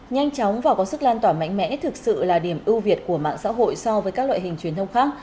nhanh chóng và có sức lan tỏa mạnh mẽ thực sự là điểm ưu việt của mạng xã hội so với các loại hình truyền thông khác